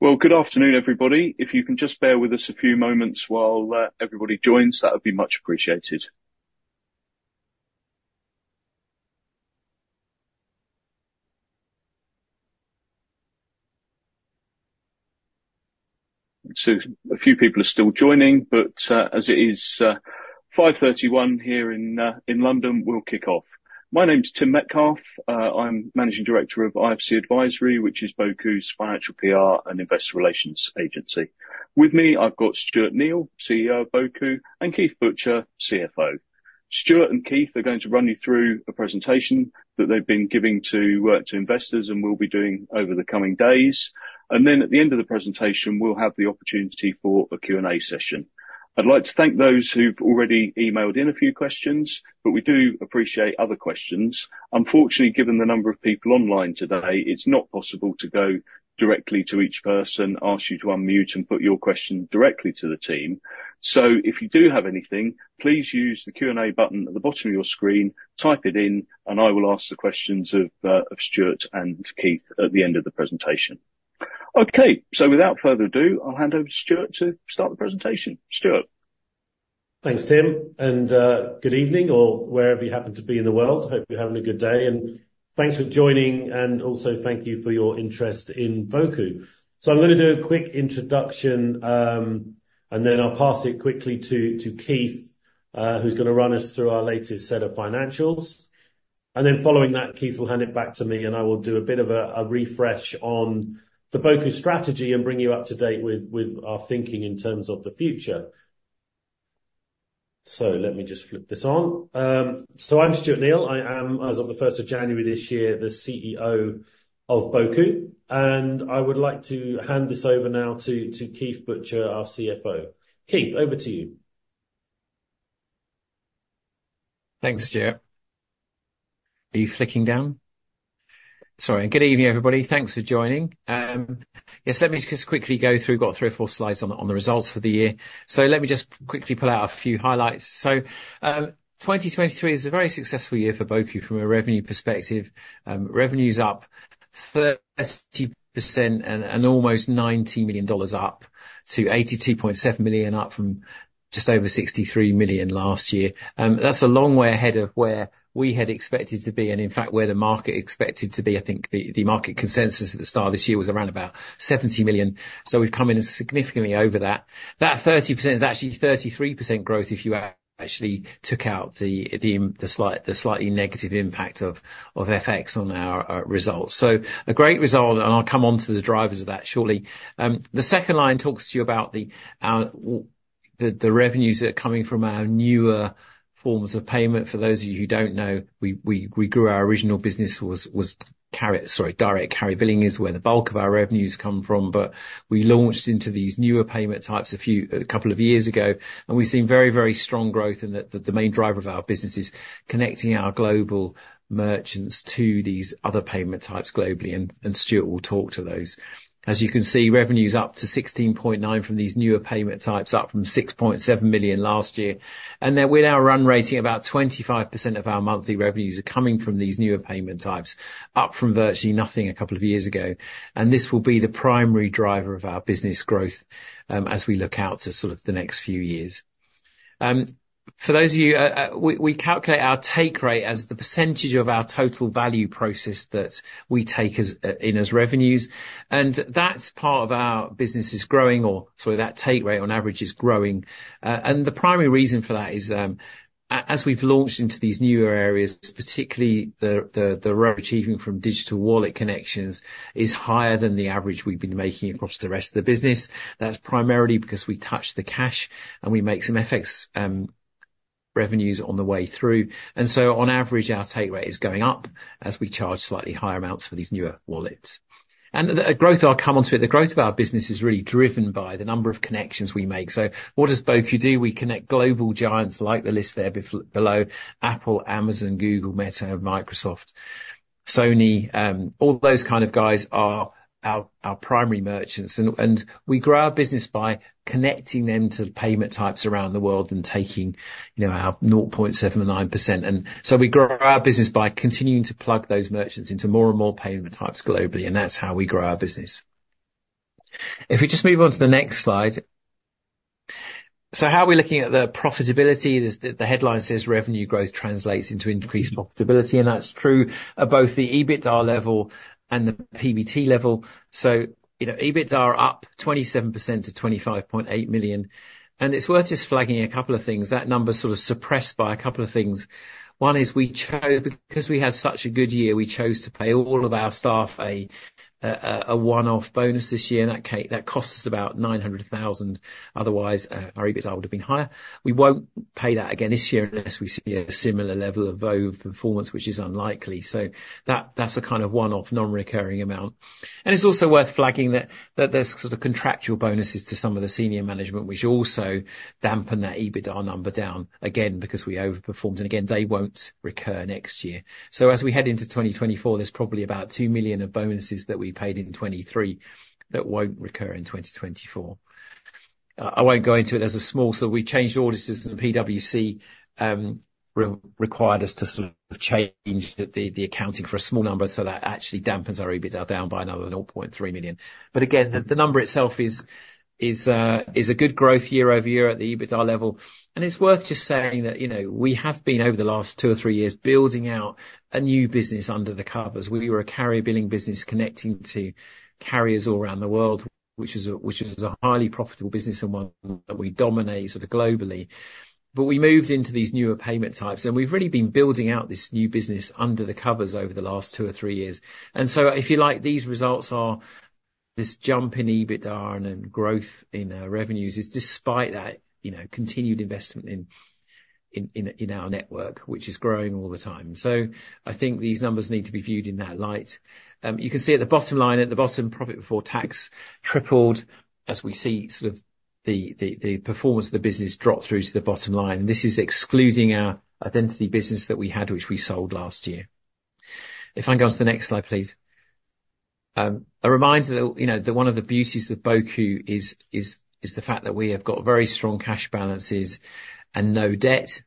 Well, good afternoon, everybody. If you can just bear with us a few moments while everybody joins, that would be much appreciated. So a few people are still joining, but as it is 5:31 P.M. here in London, we'll kick off. My name's Tim Metcalfe. I'm Managing Director of IFC Advisory, which is Boku's financial PR and investor relations agency. With me, I've got Stuart Neal, CEO of Boku, and Keith Butcher, CFO. Stuart and Keith are going to run you through a presentation that they've been giving to various investors and we'll be doing over the coming days. And then at the end of the presentation, we'll have the opportunity for a Q&A session. I'd like to thank those who've already emailed in a few questions, but we do appreciate other questions. Unfortunately, given the number of people online today, it's not possible to go directly to each person, ask you to unmute, and put your question directly to the team. So if you do have anything, please use the Q&A button at the bottom of your screen, type it in, and I will ask the questions of Stuart and Keith at the end of the presentation. Okay, so without further ado, I'll hand over to Stuart to start the presentation. Stuart. Thanks, Tim. Good evening, or wherever you happen to be in the world. Hope you're having a good day. Thanks for joining, and also thank you for your interest in Boku. So I'm going to do a quick introduction, and then I'll pass it quickly to Keith, who's going to run us through our latest set of financials. Then following that, Keith will hand it back to me, and I will do a bit of a refresh on the Boku strategy and bring you up to date with our thinking in terms of the future. So let me just flip this on. So I'm Stuart Neal. I am, as of the 1st of January this year, the CEO of Boku. I would like to hand this over now to Keith Butcher, our CFO. Keith, over to you. Thanks, Stuart. Are you flicking down? Sorry. Good evening, everybody. Thanks for joining. Yes, let me just quickly go through. Got three or four slides on the results for the year. So let me just quickly pull out a few highlights. So, 2023 is a very successful year for Boku from a revenue perspective. Revenue's up 30% and, and almost $19 million up to $82.7 million, up from just over $63 million last year. That's a long way ahead of where we had expected to be and, in fact, where the market expected to be. I think the market consensus at the start of this year was around about $70 million. So we've come in significantly over that. That 30% is actually 33% growth if you actually took out the slightly negative impact of FX on our results. So a great result, and I'll come on to the drivers of that shortly. The second line talks to you about the revenues that are coming from our newer forms of payment. For those of you who don't know, we grew our original business was direct carrier billing is where the bulk of our revenues come from—but we launched into these newer payment types a couple of years ago, and we've seen very, very strong growth. The main driver of our business is connecting our global merchants to these other payment types globally, and Stuart will talk to those. As you can see, revenue's up to $16.9 million from these newer payment types, up from $6.7 million last year. And then with our run rate, about 25% of our monthly revenues are coming from these newer payment types, up from virtually nothing a couple of years ago. And this will be the primary driver of our business growth, as we look out to sort of the next few years. For those of you, we calculate our take rate as the percentage of our total value processed that we take as revenues. And that take rate on average is growing. And the primary reason for that is, as we've launched into these newer areas, particularly the take rate we're achieving from digital wallet connections, is higher than the average we've been making across the rest of the business. That's primarily because we touch the cash and we make some FX revenues on the way through. And so on average, our take rate is going up as we charge slightly higher amounts for these newer wallets. And the growth, I'll come on to it, the growth of our business is really driven by the number of connections we make. So what does Boku do? We connect global giants like the list there below: Apple, Amazon, Google, Meta, Microsoft, Sony, all those kind of guys are our primary merchants. And we grow our business by connecting them to payment types around the world and taking, you know, our 0.79%. And so we grow our business by continuing to plug those merchants into more and more payment types globally, and that's how we grow our business. If we just move on to the next slide. So how are we looking at the profitability? The headline says, "Revenue growth translates into increased profitability," and that's true at both the EBITDA level and the PBT level. So, you know, EBITDA are up 27% to $25.8 million. And it's worth just flagging a couple of things. That number's sort of suppressed by a couple of things. One is we chose because we had such a good year, we chose to pay all of our staff a one-off bonus this year. And that cost us about $900,000. Otherwise, our EBITDA would have been higher. We won't pay that again this year unless we see a similar level of TPV performance, which is unlikely. So that's a kind of one-off, non-recurring amount. And it's also worth flagging that there's sort of contractual bonuses to some of the senior management, which also dampen that EBITDA number down again because we overperformed. And again, they won't recur next year. So as we head into 2024, there's probably about $2 million of bonuses that we paid in 2023 that won't recur in 2024. I won't go into it. There's a small sort of we changed auditors and PwC re-required us to sort of change the, the accounting for a small number so that actually dampens our EBITDA down by another $0.3 million. But again, the number itself is a good growth year-over-year at the EBITDA level. And it's worth just saying that, you know, we have been over the last two or three years building out a new business under the covers. We were a carrier billing business connecting to carriers all around the world, which is a highly profitable business and one that we dominate sort of globally. But we moved into these newer payment types, and we've really been building out this new business under the covers over the last two or three years. So if you like, these results are this jump in EBITDA and growth in revenues despite that, you know, continued investment in our network, which is growing all the time. So I think these numbers need to be viewed in that light. You can see at the bottom line, Profit Before Tax tripled as we see sort of the performance of the business drop through to the bottom line. And this is excluding our identity business that we had, which we sold last year. If I can go on to the next slide, please. A reminder that, you know, that one of the beauties of Boku is the fact that we have got very strong cash balances and no debt.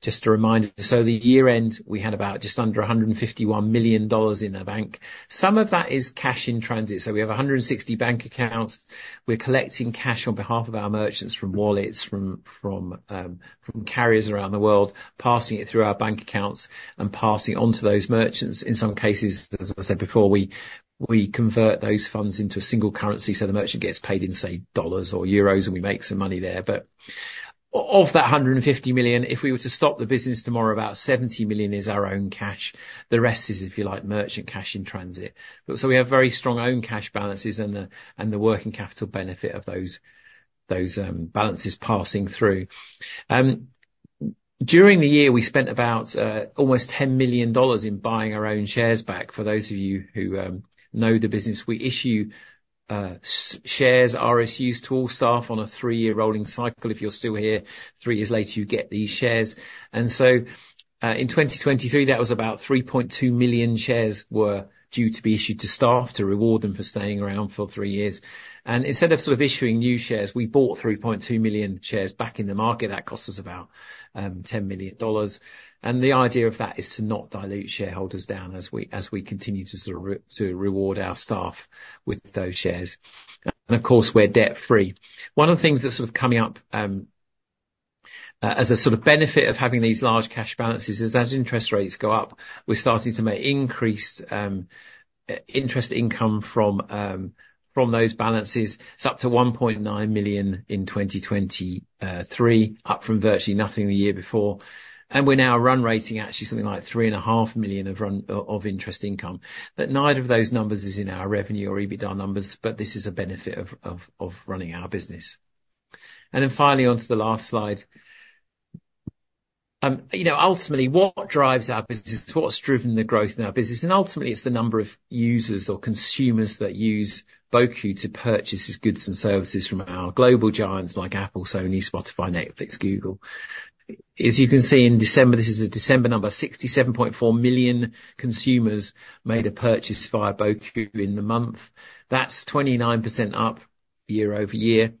Just a reminder. So the year-end, we had about just under $151 million in our bank. Some of that is cash in transit. So we have 160 bank accounts. We're collecting cash on behalf of our merchants from wallets, from carriers around the world, passing it through our bank accounts and passing it onto those merchants. In some cases, as I said before, we convert those funds into a single currency so the merchant gets paid in, say, dollars or euros, and we make some money there. But off that $150 million, if we were to stop the business tomorrow, about $70 million is our own cash. The rest is, if you like, merchant cash in transit. But we have very strong own cash balances and the working capital benefit of those balances passing through. During the year, we spent about almost $10 million in buying our own shares back. For those of you who know the business, we issue shares, RSUs to all staff on a three-year rolling cycle. If you're still here, three years later, you get these shares. And so, in 2023, that was about 3.2 million shares were due to be issued to staff to reward them for staying around for three years. And instead of sort of issuing new shares, we bought 3.2 million shares back in the market. That cost us about $10 million. And the idea of that is to not dilute shareholders down as we continue to sort of to reward our staff with those shares. And of course, we're debt-free. One of the things that's sort of coming up, as a sort of benefit of having these large cash balances, is as interest rates go up, we're starting to make increased interest income from those balances. It's up to $1.9 million in 2023, up from virtually nothing the year before. We're now run-rating, actually, something like $3.5 million run-rate of interest income. But neither of those numbers is in our revenue or EBITDA numbers, but this is a benefit of running our business. And then finally, on to the last slide. You know, ultimately, what drives our business? What's driven the growth in our business? And ultimately, it's the number of users or consumers that use Boku to purchase these goods and services from our global giants like Apple, Sony, Spotify, Netflix, Google. As you can see in December, this is a December number: 67.4 million consumers made a purchase via Boku in the month. That's 29% up year-over-year.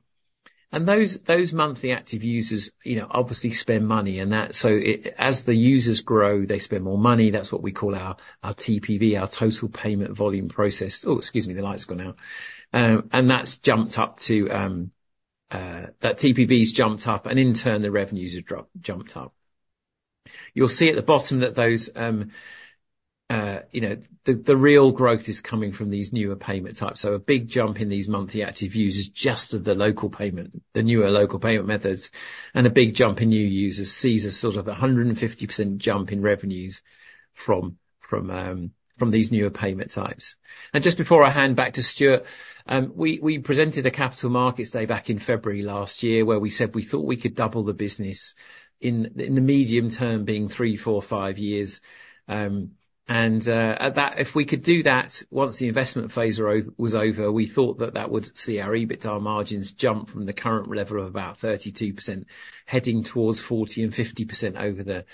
And those monthly active users, you know, obviously spend money. And that so it as the users grow, they spend more money. That's what we call our TPV, our total payment volume processed. Oh, excuse me, the light's gone out. And that's jumped up to, that TPV's jumped up, and in turn, the revenues have jumped up. You'll see at the bottom that those, you know, the real growth is coming from these newer payment types. So a big jump in these monthly active users just of the local payment, the newer local payment methods, and a big jump in new users sees a sort of a 150% jump in revenues from these newer payment types. Just before I hand back to Stuart, we presented a Capital Markets Day back in February last year where we said we thought we could double the business in the medium term, being three, four, five years. And at that, if we could do that once the investment phase was over, we thought that that would see our EBITDA margins jump from the current level of about 32% heading towards 40% and 50%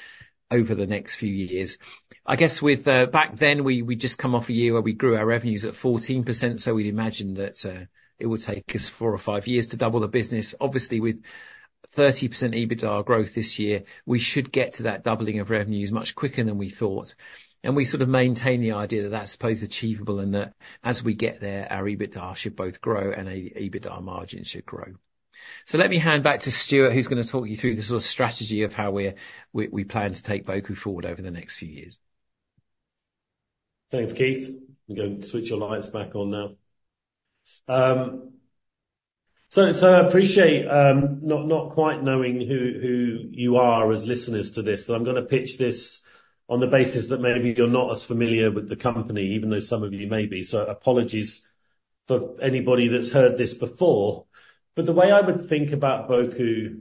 over the next few years. I guess with back then, we'd just come off a year where we grew our revenues at 14%, so we'd imagine that it would take us four or five years to double the business. Obviously, with 30% EBITDA growth this year, we should get to that doubling of revenues much quicker than we thought. We sort of maintain the idea that that's both achievable and that as we get there, our EBITDA should both grow and our EBITDA margins should grow. Let me hand back to Stuart, who's going to talk you through the sort of strategy of how we plan to take Boku forward over the next few years. Thanks, Keith. I'm going to switch your lights back on now. So I appreciate not quite knowing who you are as listeners to this. So I'm going to pitch this on the basis that maybe you're not as familiar with the company, even though some of you may be. So apologies for anybody that's heard this before. But the way I would think about Boku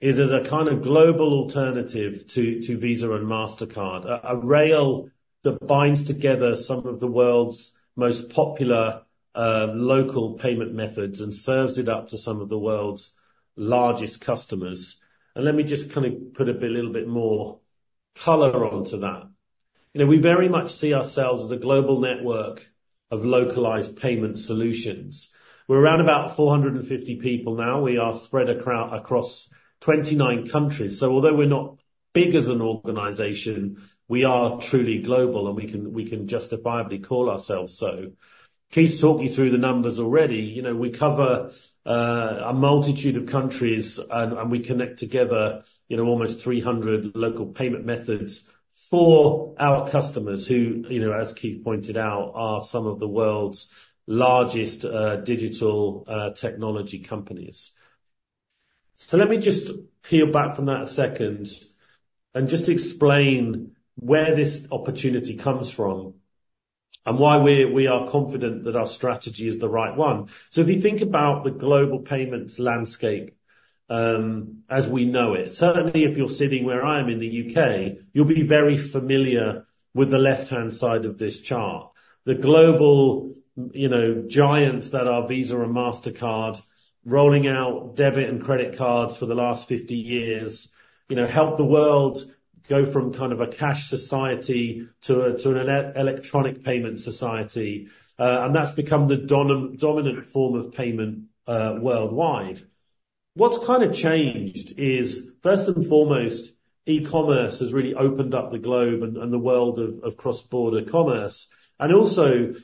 is as a kind of global alternative to Visa and Mastercard, a rail that binds together some of the world's most popular local payment methods and serves it up to some of the world's largest customers. And let me just kind of put a bit a little bit more color onto that. You know, we very much see ourselves as a global network of localized payment solutions. We're around about 450 people now. We are spread across 29 countries. So although we're not big as an organization, we are truly global, and we can justifiably call ourselves so. Keith's talking through the numbers already. You know, we cover a multitude of countries, and we connect together, you know, almost 300 local payment methods for our customers who, you know, as Keith pointed out, are some of the world's largest digital technology companies. So let me just peel back from that a second and just explain where this opportunity comes from and why we are confident that our strategy is the right one. So if you think about the global payments landscape, as we know it, certainly if you're sitting where I am in the U.K., you'll be very familiar with the left-hand side of this chart. The global, you know, giants that are Visa and Mastercard rolling out debit and credit cards for the last 50 years, you know, helped the world go from kind of a cash society to an electronic payment society. That's become the dominant form of payment, worldwide. What's kind of changed is, first and foremost, e-commerce has really opened up the globe and the world of cross-border commerce. And also,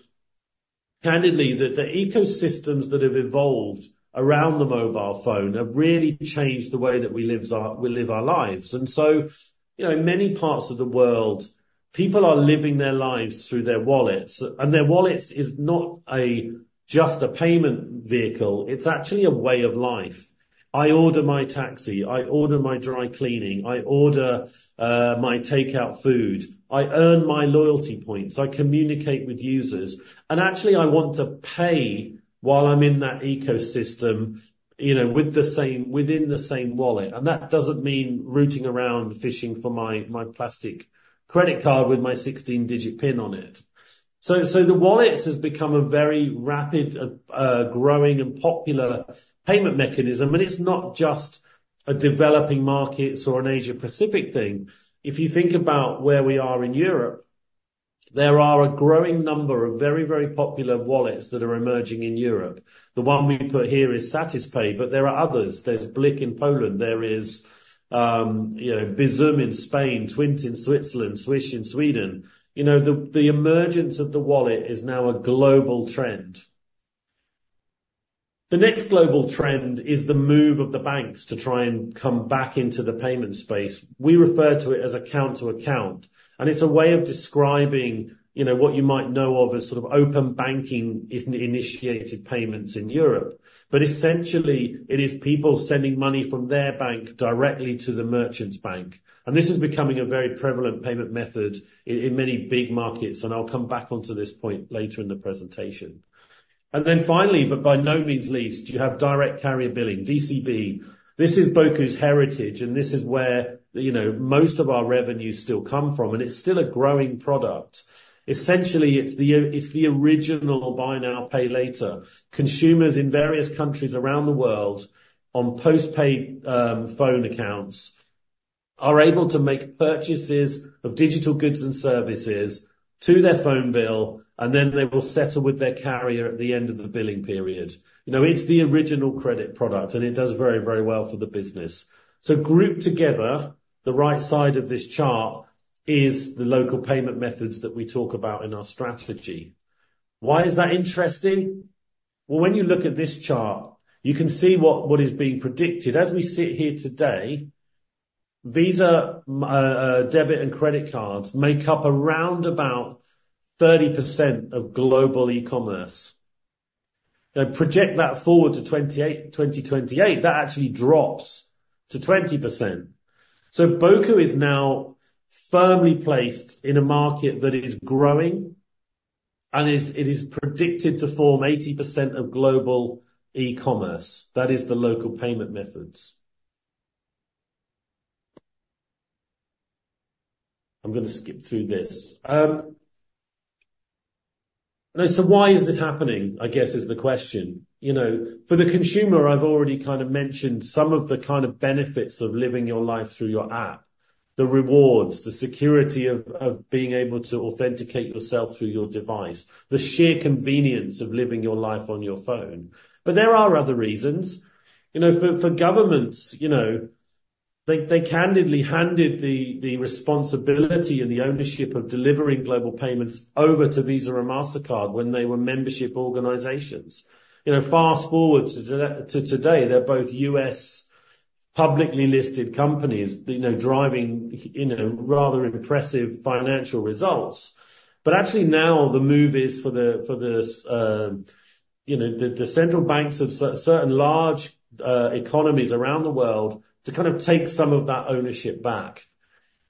candidly, the ecosystems that have evolved around the mobile phone have really changed the way that we live our lives. And so, you know, in many parts of the world, people are living their lives through their wallets. And their wallets is not just a payment vehicle. It's actually a way of life. I order my taxi. I order my dry cleaning. I order my takeout food. I earn my loyalty points. I communicate with users. And actually, I want to pay while I'm in that ecosystem, you know, with the same within the same wallet. And that doesn't mean rooting around fishing for my plastic credit card with my 16-digit PIN on it. So the wallets have become a very rapid, growing and popular payment mechanism. And it's not just a developing markets or an Asia-Pacific thing. If you think about where we are in Europe, there are a growing number of very, very popular wallets that are emerging in Europe. The one we put here is Satispay, but there are others. There's BLIK in Poland. There is, you know, Bizum in Spain, TWINT in Switzerland, Swish in Sweden. You know, the emergence of the wallet is now a global trend. The next global trend is the move of the banks to try and come back into the payment space. We refer to it as account-to-account. It's a way of describing, you know, what you might know of as sort of open banking-initiated payments in Europe. But essentially, it is people sending money from their bank directly to the merchant's bank. This is becoming a very prevalent payment method in many big markets. I'll come back onto this point later in the presentation. Then finally, but by no means least, you have direct carrier billing, DCB. This is Boku's heritage, and this is where, you know, most of our revenues still come from. It's still a growing product. Essentially, it's the original buy now, pay later. Consumers in various countries around the world on postpaid phone accounts are able to make purchases of digital goods and services to their phone bill, and then they will settle with their carrier at the end of the billing period. You know, it's the original credit product, and it does very, very well for the business. So grouped together, the right side of this chart is the local payment methods that we talk about in our strategy. Why is that interesting? Well, when you look at this chart, you can see what is being predicted. As we sit here today, Visa debit and credit cards make up around about 30% of global e-commerce. You know, project that forward to 2028, that actually drops to 20%. So Boku is now firmly placed in a market that is growing and it is predicted to form 80% of global e-commerce. That is the local payment methods. I'm going to skip through this. No, so why is this happening, I guess, is the question. You know, for the consumer, I've already kind of mentioned some of the kind of benefits of living your life through your app, the rewards, the security of being able to authenticate yourself through your device, the sheer convenience of living your life on your phone. But there are other reasons. You know, for governments, you know, they candidly handed the responsibility and the ownership of delivering global payments over to Visa and Mastercard when they were membership organizations. You know, fast forward to today, they're both U.S. publicly listed companies, you know, driving, you know, rather impressive financial results. But actually now, the move is for the, you know, the central banks of certain large economies around the world to kind of take some of that ownership back.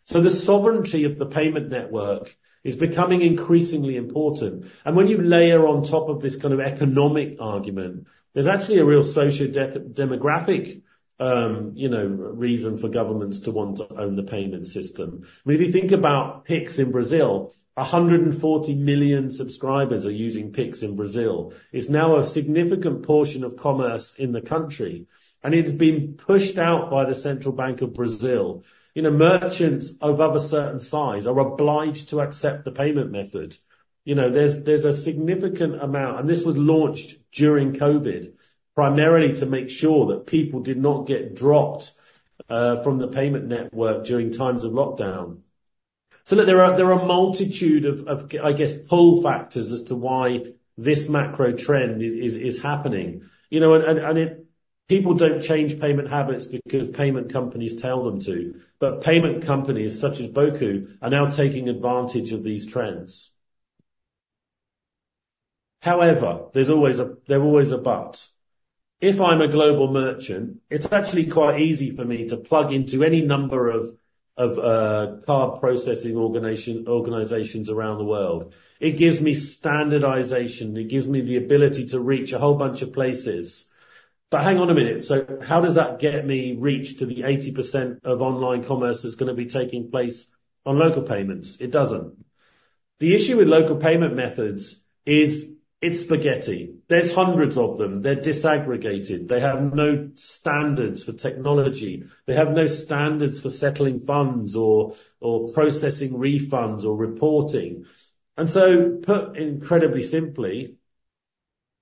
So the sovereignty of the payment network is becoming increasingly important. And when you layer on top of this kind of economic argument, there's actually a real socio-demographic, you know, reason for governments to want to own the payment system. I mean, if you think about Pix in Brazil, 140 million subscribers are using Pix in Brazil. It's now a significant portion of commerce in the country, and it's been pushed out by the Central Bank of Brazil. You know, merchants of a certain size are obliged to accept the payment method. You know, there's a significant amount and this was launched during COVID primarily to make sure that people did not get dropped from the payment network during times of lockdown. So look, there are a multitude of, I guess, pull factors as to why this macro trend is happening. You know, and it people don't change payment habits because payment companies tell them to. But payment companies such as Boku are now taking advantage of these trends. However, there's always a but. If I'm a global merchant, it's actually quite easy for me to plug into any number of card processing organizations around the world. It gives me standardization. It gives me the ability to reach a whole bunch of places. But hang on a minute. So how does that get me reach to the 80% of online commerce that's going to be taking place on local payments? It doesn't. The issue with local payment methods is it's spaghetti. There's hundreds of them. They're disaggregated. They have no standards for technology. They have no standards for settling funds or processing refunds or reporting. And so put incredibly simply,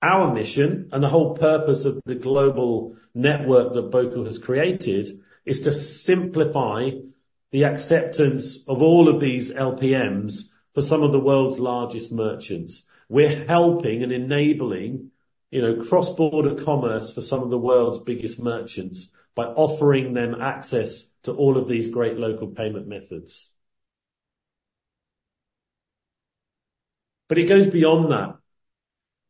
our mission and the whole purpose of the global network that Boku has created is to simplify the acceptance of all of these LPMs for some of the world's largest merchants. We're helping and enabling, you know, cross-border commerce for some of the world's biggest merchants by offering them access to all of these great local payment methods. But it goes beyond that.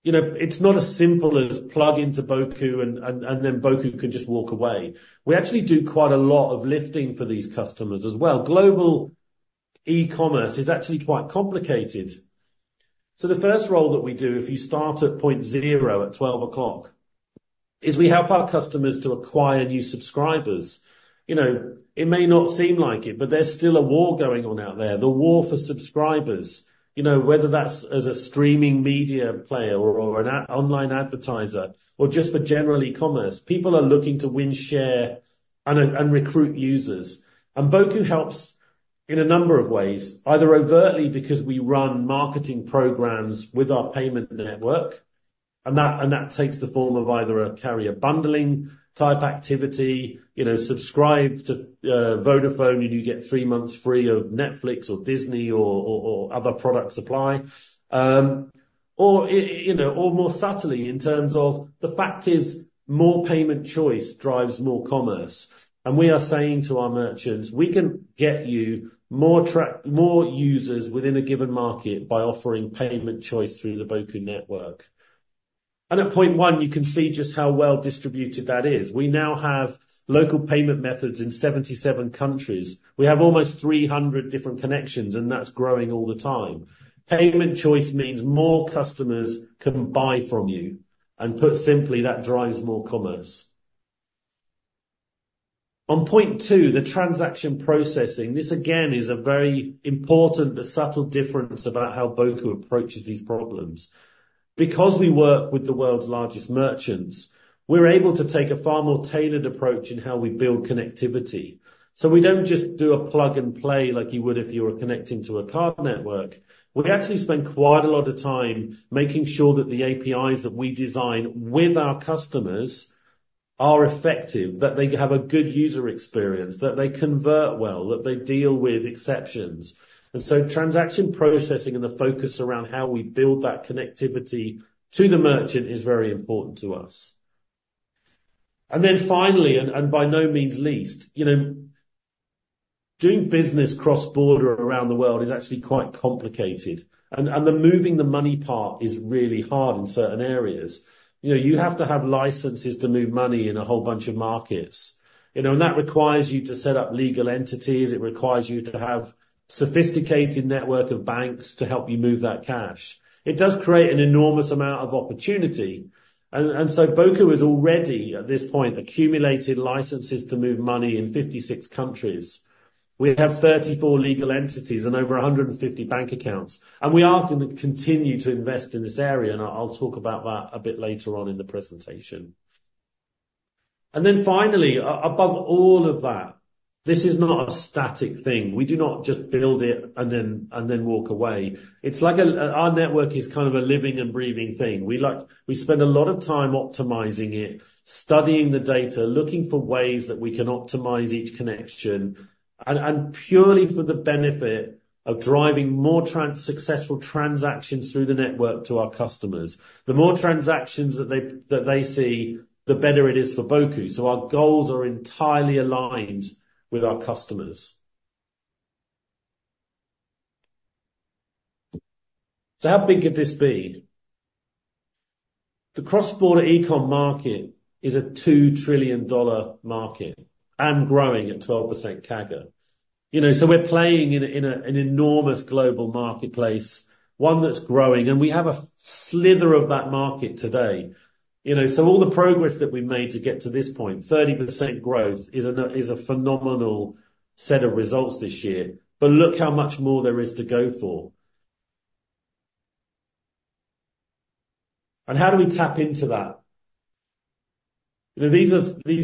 You know, it's not as simple as plug into Boku and then Boku can just walk away. We actually do quite a lot of lifting for these customers as well. Global e-commerce is actually quite complicated. So the first role that we do, if you start at point zero at 12 o'clock, is we help our customers to acquire new subscribers. You know, it may not seem like it, but there's still a war going on out there, the war for subscribers. You know, whether that's as a streaming media player or an online advertiser or just for general e-commerce, people are looking to win share and recruit users. Boku helps in a number of ways, either overtly because we run marketing programs with our payment network, and that and that takes the form of either a carrier bundling type activity, you know, subscribe to Vodafone and you get three months free of Netflix or Disney or other product supply, or, you know, or more subtly in terms of the fact is more payment choice drives more commerce. We are saying to our merchants, we can get you attract more users within a given market by offering payment choice through the Boku network. At point one, you can see just how well distributed that is. We now have local payment methods in 77 countries. We have almost 300 different connections, and that's growing all the time. Payment choice means more customers can buy from you. Put simply, that drives more commerce. On point two, the transaction processing, this again is a very important but subtle difference about how Boku approaches these problems. Because we work with the world's largest merchants, we're able to take a far more tailored approach in how we build connectivity. So we don't just do a plug and play like you would if you were connecting to a card network. We actually spend quite a lot of time making sure that the APIs that we design with our customers are effective, that they have a good user experience, that they convert well, that they deal with exceptions. And so transaction processing and the focus around how we build that connectivity to the merchant is very important to us. And then finally, and by no means least, you know, doing business cross-border around the world is actually quite complicated. And the moving the money part is really hard in certain areas. You know, you have to have licenses to move money in a whole bunch of markets. You know, and that requires you to set up legal entities. It requires you to have a sophisticated network of banks to help you move that cash. It does create an enormous amount of opportunity. And so Boku has already at this point accumulated licenses to move money in 56 countries. We have 34 legal entities and over 150 bank accounts. And we are going to continue to invest in this area. And I'll talk about that a bit later on in the presentation. And then finally, above all of that, this is not a static thing. We do not just build it and then walk away. It's like our network is kind of a living and breathing thing. We, like, spend a lot of time optimizing it, studying the data, looking for ways that we can optimize each connection and purely for the benefit of driving more successful transactions through the network to our customers. The more transactions that they see, the better it is for Boku. So our goals are entirely aligned with our customers. So how big could this be? The cross-border e-commerce market is a $2 trillion market and growing at 12% CAGR. You know, so we're playing in an enormous global marketplace, one that's growing. And we have a sliver of that market today. You know, so all the progress that we've made to get to this point, 30% growth, is a phenomenal set of results this year. Look how much more there is to go for. How do we tap into that? You know, these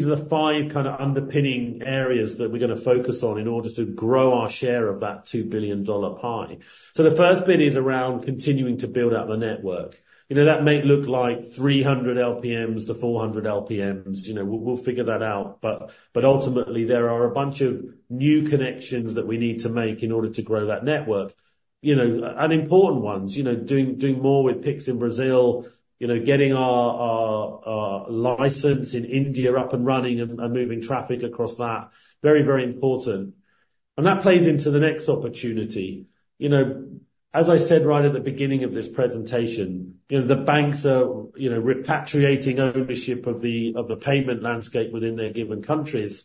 are the five kind of underpinning areas that we're going to focus on in order to grow our share of that $2 billion pie. So the first bit is around continuing to build out the network. You know, that may look like 300 LPMs to 400 LPMs. You know, we'll figure that out. But ultimately, there are a bunch of new connections that we need to make in order to grow that network, you know, and important ones, you know, doing more with Pix in Brazil, you know, getting our license in India up and running and moving traffic across that, very, very important. And that plays into the next opportunity. You know, as I said right at the beginning of this presentation, you know, the banks are, you know, repatriating ownership of the payment landscape within their given countries.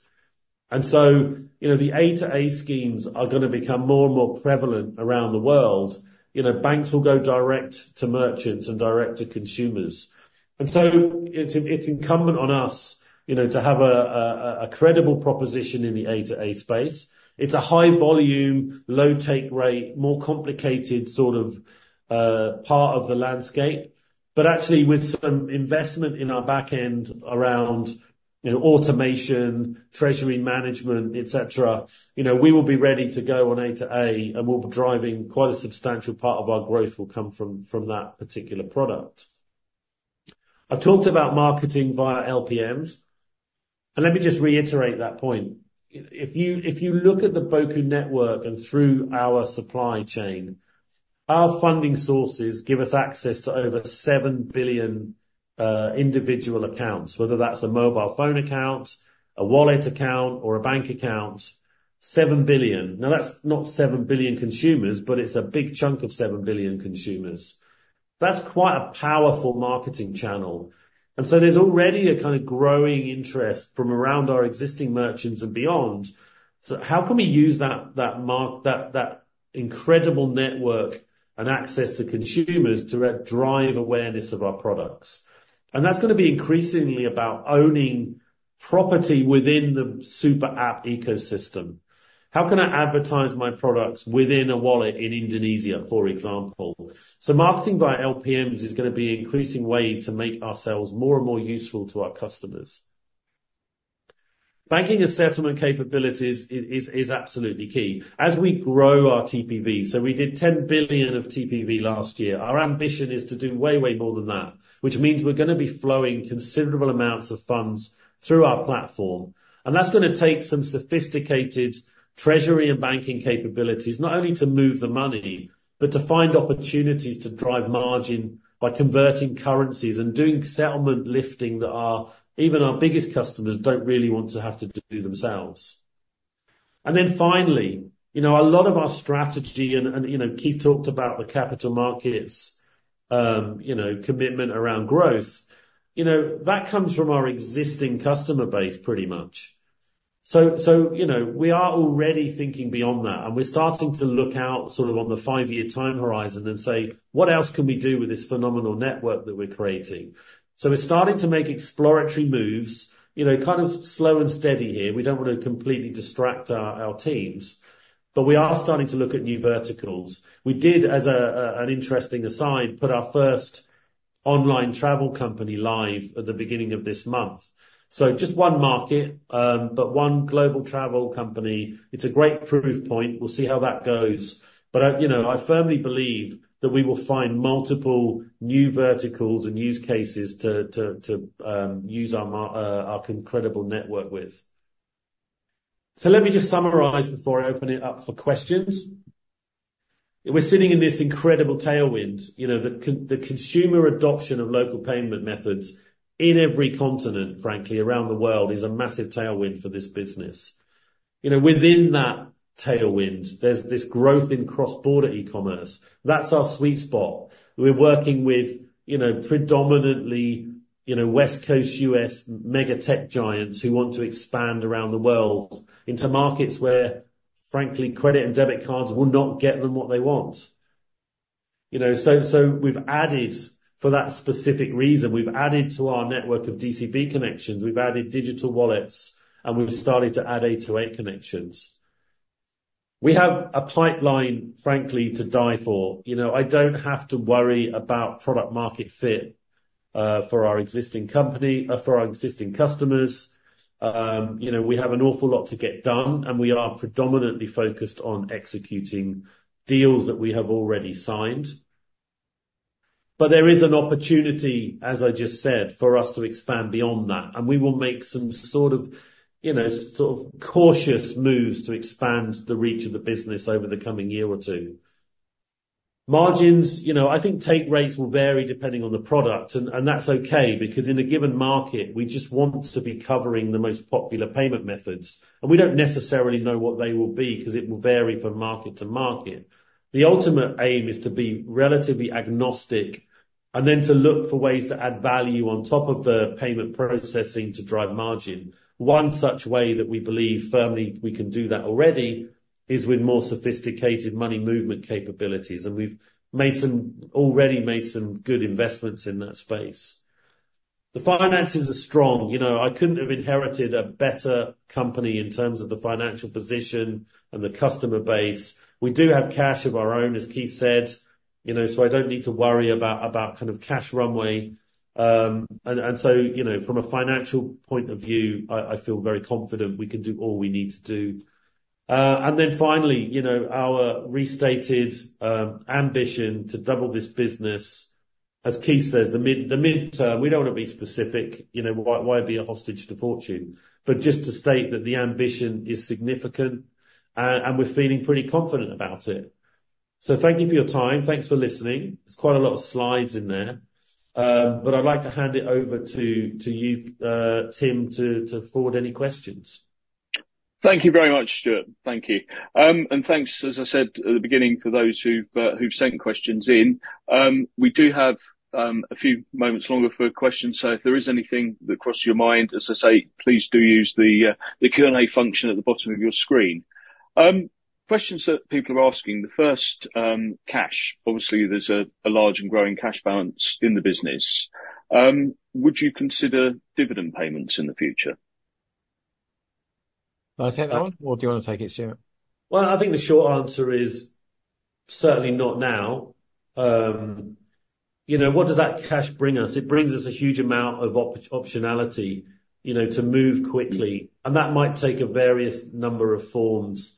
And so, you know, the A2A schemes are going to become more and more prevalent around the world. You know, banks will go direct to merchants and direct to consumers. And so it's incumbent on us, you know, to have a credible proposition in the A2A space. It's a high volume, low take rate, more complicated sort of part of the landscape. But actually, with some investment in our backend around, you know, automation, treasury management, etc., you know, we will be ready to go on A2A, and we'll be driving quite a substantial part of our growth will come from that particular product. I've talked about marketing via LPMs. Let me just reiterate that point. If you look at the Boku network and through our supply chain, our funding sources give us access to over 7 billion individual accounts, whether that's a mobile phone account, a wallet account, or a bank account. 7 billion. Now, that's not 7 billion consumers, but it's a big chunk of 7 billion consumers. That's quite a powerful marketing channel. So there's already a kind of growing interest from around our existing merchants and beyond. So how can we use that marketing incredible network and access to consumers to drive awareness of our products? And that's going to be increasingly about owning property within the super app ecosystem. How can I advertise my products within a wallet in Indonesia, for example? So marketing via LPMs is going to be an increasing way to make ourselves more and more useful to our customers. Banking and settlement capabilities is absolutely key as we grow our TPV. So we did $10 billion of TPV last year. Our ambition is to do way, way more than that, which means we're going to be flowing considerable amounts of funds through our platform. And that's going to take some sophisticated treasury and banking capabilities, not only to move the money, but to find opportunities to drive margin by converting currencies and doing settlement lifting that even our biggest customers don't really want to have to do themselves. And then finally, you know, a lot of our strategy and, you know, Keith talked about the capital markets, you know, commitment around growth. You know, that comes from our existing customer base pretty much. So, you know, we are already thinking beyond that, and we're starting to look out sort of on the five-year time horizon and say, what else can we do with this phenomenal network that we're creating? So we're starting to make exploratory moves, you know, kind of slow and steady here. We don't want to completely distract our teams. But we are starting to look at new verticals. We did, as an interesting aside, put our first online travel company live at the beginning of this month. So just one market, but one global travel company. It's a great proof point. We'll see how that goes. But I, you know, I firmly believe that we will find multiple new verticals and use cases to use our incredible network with. So let me just summarize before I open it up for questions. We're sitting in this incredible tailwind, you know, the consumer adoption of local payment methods in every continent, frankly, around the world is a massive tailwind for this business. You know, within that tailwind, there's this growth in cross-border e-commerce. That's our sweet spot. We're working with, you know, predominantly, you know, West Coast U.S. mega tech giants who want to expand around the world into markets where, frankly, credit and debit cards will not get them what they want. You know, so we've added for that specific reason, we've added to our network of DCB connections, we've added digital wallets, and we've started to add A2A connections. We have a pipeline, frankly, to die for. You know, I don't have to worry about product-market fit, for our existing company or for our existing customers. You know, we have an awful lot to get done, and we are predominantly focused on executing deals that we have already signed. But there is an opportunity, as I just said, for us to expand beyond that. And we will make some sort of, you know, sort of cautious moves to expand the reach of the business over the coming year or two. Margins, you know, I think take rates will vary depending on the product. And that's okay because in a given market, we just want to be covering the most popular payment methods. And we don't necessarily know what they will be because it will vary from market to market. The ultimate aim is to be relatively agnostic and then to look for ways to add value on top of the payment processing to drive margin. One such way that we believe firmly we can do that already is with more sophisticated money movement capabilities. And we've already made some good investments in that space. The finances are strong. You know, I couldn't have inherited a better company in terms of the financial position and the customer base. We do have cash of our own, as Keith said, you know, so I don't need to worry about kind of cash runway. And so, you know, from a financial point of view, I feel very confident we can do all we need to do. And then finally, you know, our restated ambition to double this business, as Keith says, the midterm. We don't want to be specific, you know. Why be a hostage to fortune, but just to state that the ambition is significant and we're feeling pretty confident about it. So thank you for your time. Thanks for listening. There's quite a lot of slides in there. But I'd like to hand it over to you, Tim, to forward any questions. Thank you very much, Stuart. Thank you. And thanks, as I said at the beginning, for those who've sent questions in. We do have a few moments longer for questions. So if there is anything that crosses your mind, as I say, please do use the Q&A function at the bottom of your screen. Questions that people are asking. The first, cash. Obviously, there's a large and growing cash balance in the business. Would you consider dividend payments in the future? Can I take that one? Or do you want to take it, Stuart? Well, I think the short answer is certainly not now. You know, what does that cash bring us? It brings us a huge amount of optionality, you know, to move quickly. That might take various number of forms.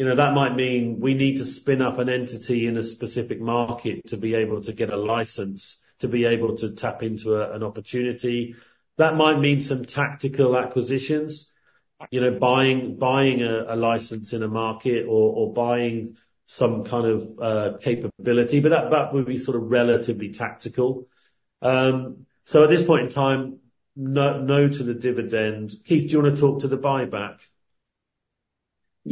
You know, that might mean we need to spin up an entity in a specific market to be able to get a license, to be able to tap into an opportunity. That might mean some tactical acquisitions, you know, buying a license in a market or buying some kind of capability. But that would be sort of relatively tactical. So at this point in time, no to the dividend. Keith, do you want to talk to the buyback?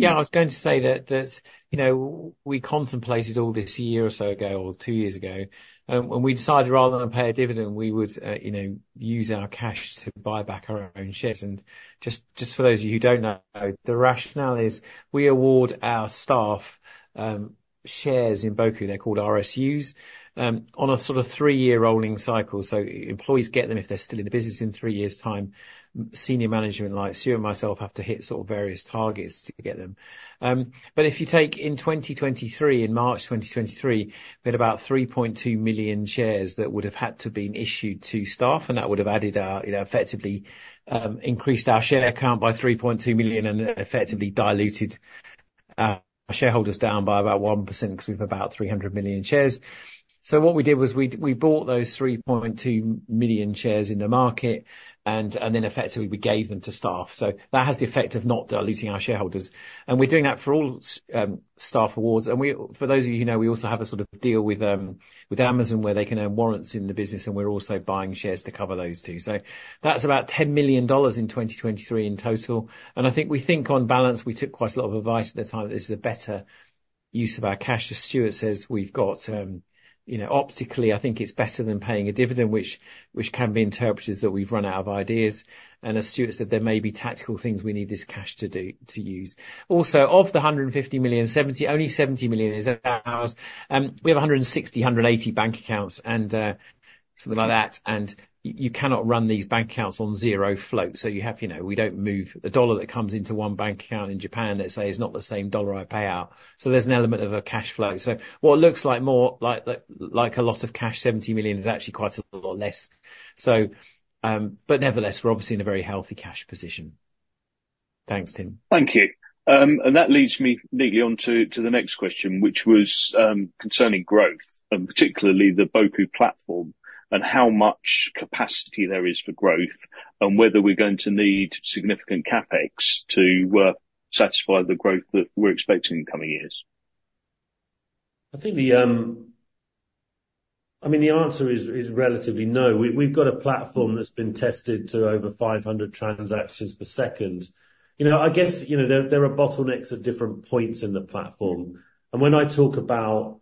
Yeah, I was going to say that, you know, we contemplated all this a year or so ago or two years ago. And we decided rather than pay a dividend, we would, you know, use our cash to buy back our own shares. And just for those of you who don't know, the rationale is we award our staff shares in Boku. They're called RSUs, on a sort of three-year rolling cycle. So employees get them if they're still in the business in three years' time. Senior management like Stuart and myself have to hit sort of various targets to get them. But if you take in 2023, in March 2023, we had about 3.2 million shares that would have had to have been issued to staff. That would have added our, you know, effectively, increased our share count by 3.2 million and effectively diluted our shareholders down by about 1% because we have about 300 million shares. So what we did was we bought those 3.2 million shares in the market and then effectively we gave them to staff. So that has the effect of not diluting our shareholders. We're doing that for all staff awards. For those of you who know, we also have a sort of deal with Amazon where they can earn warrants in the business, and we're also buying shares to cover those too. So that's about $10 million in 2023 in total. I think, on balance, we took quite a lot of advice at the time that this is a better use of our cash. As Stuart says, we've got, you know, optically, I think it's better than paying a dividend, which can be interpreted as that we've run out of ideas. And as Stuart said, there may be tactical things we need this cash to do to use. Also, of the $150 million, only $70 million is ours. We have 160-180 bank accounts and something like that. And you cannot run these bank accounts on zero float. So you have, you know, we don't move the dollar that comes into one bank account in Japan, let's say, is not the same dollar I pay out. So there's an element of a cash flow. So what looks like more like a lot of cash, $70 million, is actually quite a lot less. So, but nevertheless, we're obviously in a very healthy cash position. Thanks, Tim. Thank you. That leads me neatly on to the next question, which was concerning growth and particularly the Boku platform and how much capacity there is for growth and whether we're going to need significant CapEx to satisfy the growth that we're expecting in coming years. I think the, I mean, the answer is relatively no. We've got a platform that's been tested to over 500 transactions per second. You know, I guess, you know, there are bottlenecks at different points in the platform. When I talk about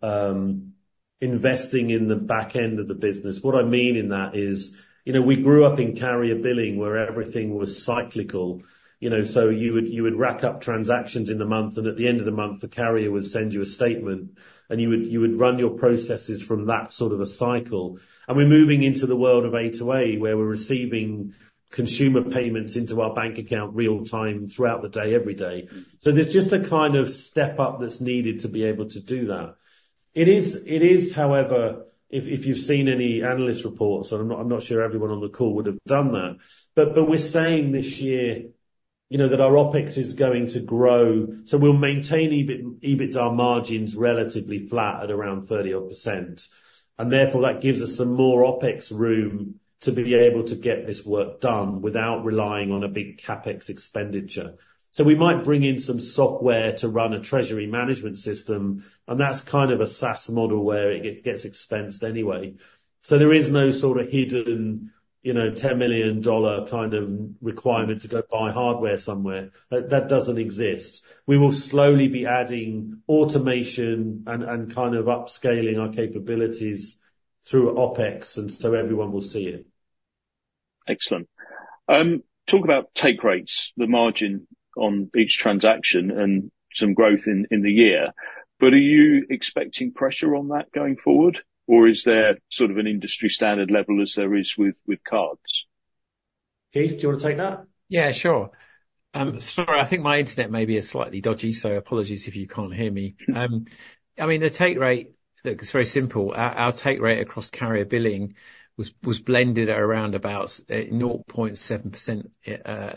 investing in the backend of the business, what I mean in that is, you know, we grew up in carrier billing where everything was cyclical, you know, so you would rack up transactions in the month, and at the end of the month, the carrier would send you a statement, and you would run your processes from that sort of a cycle. We're moving into the world of A2A where we're receiving consumer payments into our bank account real-time throughout the day, every day. There's just a kind of step up that's needed to be able to do that. It is, however, if you've seen any analyst reports and I'm not sure everyone on the call would have done that, but we're saying this year, you know, that our OpEx is going to grow. So we'll maintain EBITDA margins relatively flat at around 30-odd%. And therefore, that gives us some more OpEx room to be able to get this work done without relying on a big CapEx expenditure. So we might bring in some software to run a treasury management system. And that's kind of a SaaS model where it gets expensed anyway. So there is no sort of hidden, you know, $10 million kind of requirement to go buy hardware somewhere. That doesn't exist. We will slowly be adding automation and kind of upscaling our capabilities through OpEx, and so everyone will see it. Excellent. Talk about take rates, the margin on each transaction and some growth in the year. But are you expecting pressure on that going forward, or is there sort of an industry standard level as there is with cards? Keith, do you want to take that? Yeah, sure. Sorry, I think my internet may be slightly dodgy, so apologies if you can't hear me. I mean, the take rate, look, it's very simple. Our take rate across carrier billing was blended around about 0.7%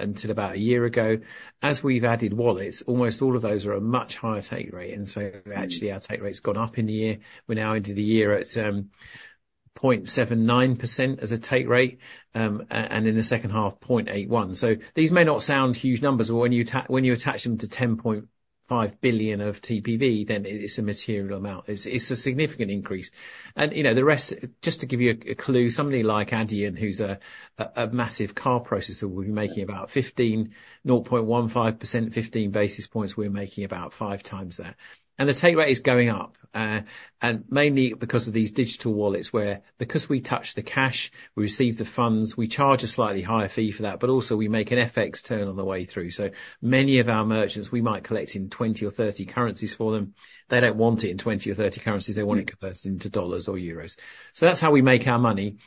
until about a year ago. As we've added wallets, almost all of those are a much higher take rate. And so actually, our take rate's gone up in the year. We're now into the year at 0.79% as a take rate, and in the second half, 0.81%. So these may not sound huge numbers, but when you attach them to $10.5 billion of TPV, then it's a material amount. It's a significant increase. And, you know, the rest, just to give you a clue, somebody like Adyen, who's a massive card processor, will be making about 0.15%, 15 basis points. We're making about five times that. And the take rate is going up, and mainly because of these digital wallets where, because we touch the cash, we receive the funds, we charge a slightly higher fee for that, but also we make an FX turn on the way through. So many of our merchants, we might collect in 20 or 30 currencies for them. They don't want it in 20 or 30 currencies. They want it converted into dollars or euros. So that's how we make our money.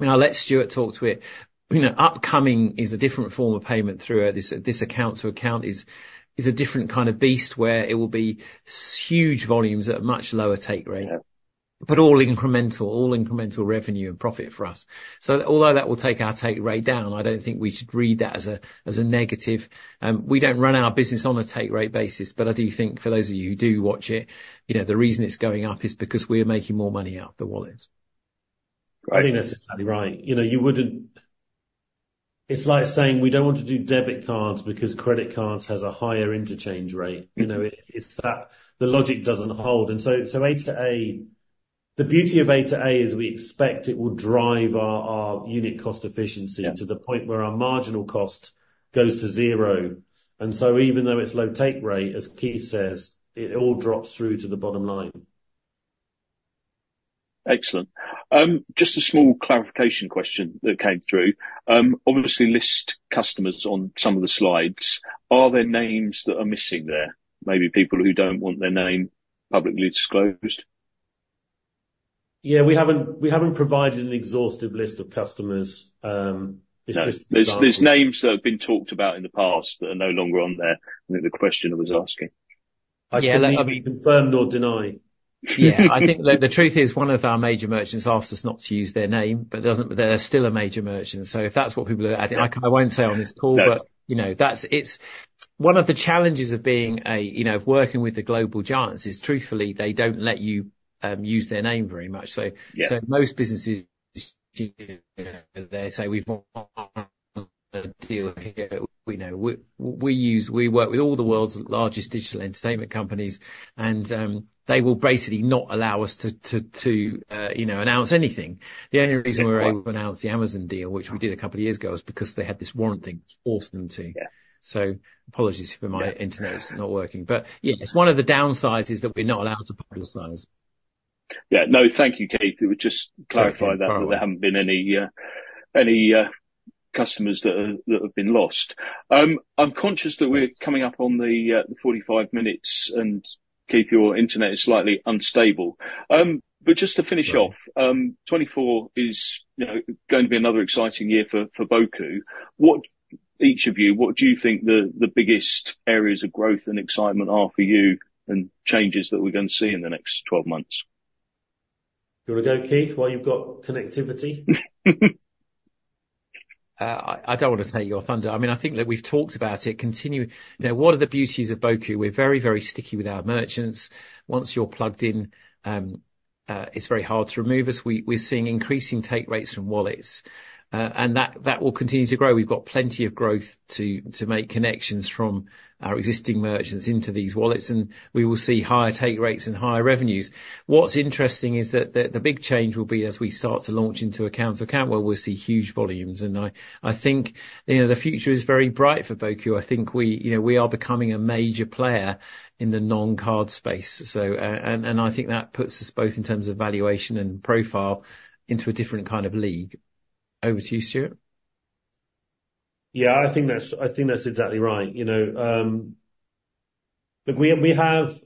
Now, let Stuart talk to it. You know, upcoming is a different form of payment through this account-to-account is a different kind of beast where it will be huge volumes at a much lower take rate, but all incremental, all incremental revenue and profit for us. So although that will take our take rate down, I don't think we should read that as a negative. We don't run our business on a take rate basis, but I do think for those of you who do watch it, you know, the reason it's going up is because we are making more money out of the wallets. I think that's exactly right. You know, you wouldn't. It's like saying we don't want to do debit cards because credit cards has a higher interchange rate. You know, it's that the logic doesn't hold. And so A2A, the beauty of A2A is we expect it will drive our unit cost efficiency to the point where our marginal cost goes to zero. And so even though it's low take rate, as Keith says, it all drops through to the bottom line. Excellent. Just a small clarification question that came through. Obviously, list customers on some of the slides. Are there names that are missing there, maybe people who don't want their name publicly disclosed? Yeah, we haven't provided an exhaustive list of customers. It's just designed. No, there's names that have been talked about in the past that are no longer on there, I think, the questioner was asking. Yeah, let me neither confirm nor deny. Yeah, I think the truth is one of our major merchants asked us not to use their name, but it doesn't, they're still a major merchant. So if that's what people are adding I won't say on this call, but, you know, that's, it's one of the challenges of being, you know, of working with the global giants is, truthfully, they don't let you use their name very much. So, so most businesses, you know, they say, "We've won a deal here. We know we work with all the world's largest digital entertainment companies," and, they will basically not allow us to, you know, announce anything. The only reason we're able to announce the Amazon deal, which we did a couple of years ago, is because they had this warrant thing that forced them to. Yeah. So apologies for my internet's not working. But yeah, it's one of the downsides is that we're not allowed to publicize. Yeah, no, thank you, Keith. It would just clarify that there haven't been any customers that have been lost. I'm conscious that we're coming up on the 45 minutes, and Keith, your internet is slightly unstable. But just to finish off, 2024 is, you know, going to be another exciting year for Boku. What each of you, what do you think the biggest areas of growth and excitement are for you and changes that we're going to see in the next 12 months? Do you want to go, Keith, while you've got connectivity? I don't want to take your thunder. I mean, I think that we've talked about it continuing. You know, what are the beauties of Boku? We're very, very sticky with our merchants. Once you're plugged in, it's very hard to remove us. We're seeing increasing take rates from wallets, and that will continue to grow. We've got plenty of growth to make connections from our existing merchants into these wallets, and we will see higher take rates and higher revenues. What's interesting is that the big change will be as we start to launch into account-to-account, where we'll see huge volumes. And I think, you know, the future is very bright for Boku. I think we, you know, we are becoming a major player in the non-card space. So I think that puts us both in terms of valuation and profile into a different kind of league. Over to you, Stuart. Yeah, I think that's exactly right. You know, look, we have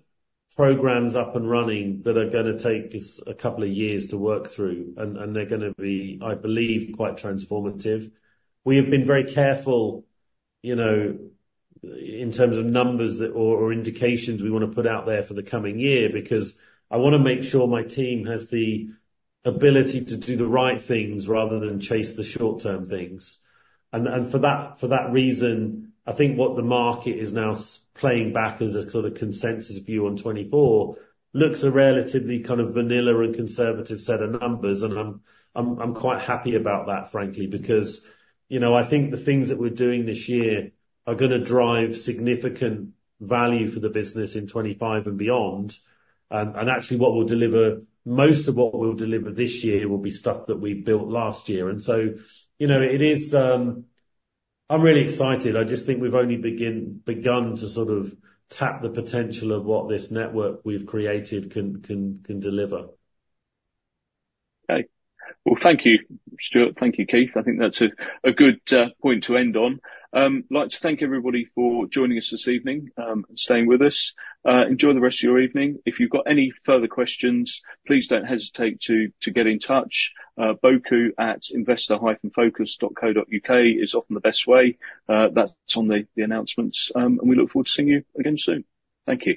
programs up and running that are going to take us a couple of years to work through, and they're going to be, I believe, quite transformative. We have been very careful, you know, in terms of numbers or indications we want to put out there for the coming year because I want to make sure my team has the ability to do the right things rather than chase the short-term things. And for that reason, I think what the market is now playing back as a sort of consensus view on 2024 looks a relatively kind of vanilla and conservative set of numbers. And I'm quite happy about that, frankly, because, you know, I think the things that we're doing this year are going to drive significant value for the business in 2025 and beyond. Actually, what we'll deliver most of what we'll deliver this year will be stuff that we built last year. And so, you know, it is. I'm really excited. I just think we've only begun to sort of tap the potential of what this network we've created can deliver. Okay. Well, thank you, Stuart. Thank you, Keith. I think that's a good point to end on. I'd like to thank everybody for joining us this evening and staying with us. Enjoy the rest of your evening. If you've got any further questions, please don't hesitate to get in touch, boku@investor-focus.co.uk is often the best way. That's on the announcements. And we look forward to seeing you again soon. Thank you.